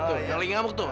tuh yang lagi ngamuk tuh